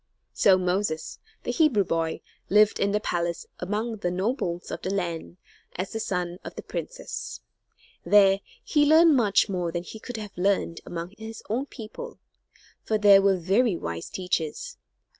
So Moses, the Hebrew boy, lived in the palace among the nobles of the land, as the son of the princess. There he learned much more than he could have learned among his own people; for there were very wise teachers.